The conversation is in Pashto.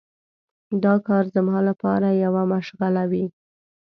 دا کار زما لپاره یوه مشغله وي.